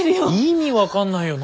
意味分かんないよ。